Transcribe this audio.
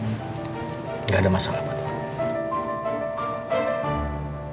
tidak ada masalah pak